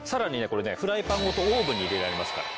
これねフライパンごとオーブンに入れられますから。